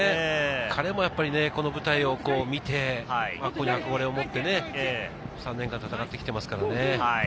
彼もやっぱりこの舞台を見て、憧れをもって３年間、戦ってきていますからね。